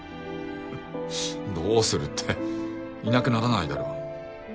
どうするっていなくならないだろ。